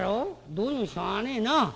どうにもしょうがねえな。